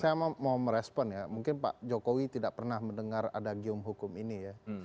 saya mau merespon ya mungkin pak jokowi tidak pernah mendengar ada gium hukum ini ya